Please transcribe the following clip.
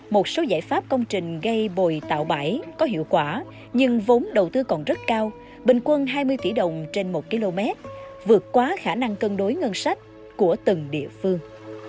một số giải pháp công trình gây bồi tạo bãi có hiệu quả nhưng vốn đầu tư còn rất cao bình quân hai mươi tỷ đồng trên một km vượt quá khả năng cân đối ngân sách của từng địa phương